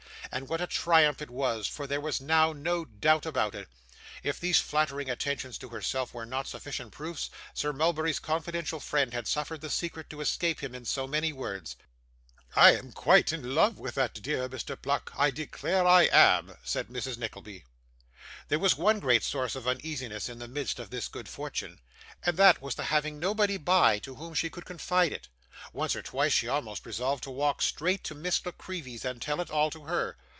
and what a triumph it was, for there was now no doubt about it. If these flattering attentions to herself were not sufficient proofs, Sir Mulberry's confidential friend had suffered the secret to escape him in so many words. 'I am quite in love with that dear Mr Pluck, I declare I am,' said Mrs. Nickleby. There was one great source of uneasiness in the midst of this good fortune, and that was the having nobody by, to whom she could confide it. Once or twice she almost resolved to walk straight to Miss La Creevy's and tell it all to her.